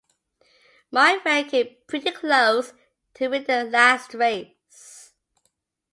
My friend came pretty close to winning that last race.